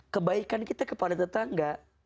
kebaikan kita kepada tetangga